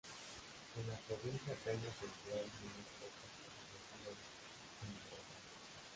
En la provincia apenas se libraron unas pocas refriegas sin importancia.